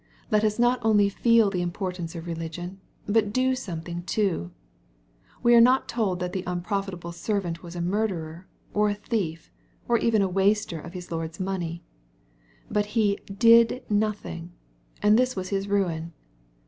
Let us not only feel the importance of religion, but do something too/We are not told that the unprofitable servant was a murderer, or a thief, or even a waster of his Lord's money./ But he did notk ing — and this was his ruin.